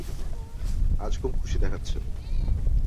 আজ খুব খুশি দেখাচ্ছে।